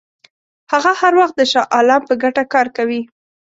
هغه هر وخت د شاه عالم په ګټه کار کوي.